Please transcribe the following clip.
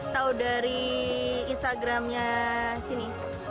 tahu dari instagramnya sini